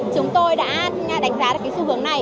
chúng tôi đã đánh giá được xu hướng này